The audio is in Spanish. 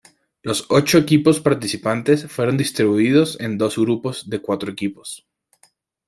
Los ocho equipos participantes fueron distribuidos en dos grupos de cuatro equipos.